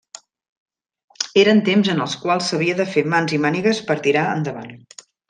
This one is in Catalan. Eren temps en els quals s'havia de fer mans i mànigues per tirar endavant.